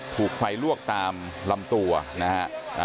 ถูกไฟลวกตามลำตัวนะฮะ